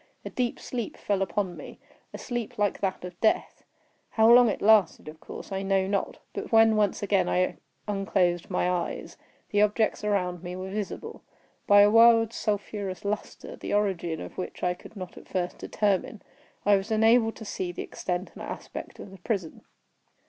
A deep sleep fell upon me—a sleep like that of death. How long it lasted of course, I know not; but when, once again, I unclosed my eyes, the objects around me were visible. By a wild sulphurous lustre, the origin of which I could not at first determine, I was enabled to see the extent and aspect of the prison.